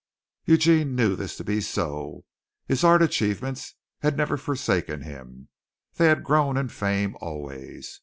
Eugene knew this to be so. His art achievements had never forsaken him. They had grown in fame always.